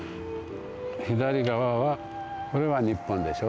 左側は、これは日本でしょ。